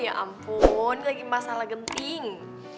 ya ampun ini lagi masalah genting